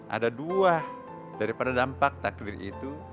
ada dua daripada dampak takdir itu